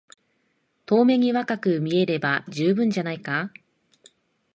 遠目に若く見えれば充分じゃないか。